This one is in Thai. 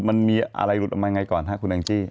มันมีอะไรหลุดออกมาไงก่อนครับคุณแองจี้